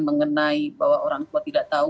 mengenai bahwa orang tua tidak tahu